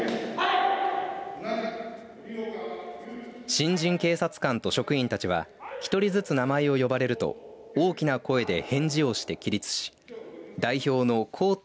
新人警察官と職員たちは１人ずつ名前を呼ばれると大きな声で返事をして起立し代表の向当